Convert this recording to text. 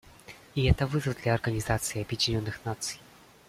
И это вызов для Организации Объединенных Наций.